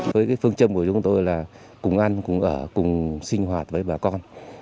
với phương châm của chúng tôi là cùng ăn cùng ở cùng sinh hoạt với bà con